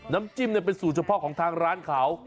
น้ำจิ้มเป็นสูตรเฉพาะของทางร้านเขา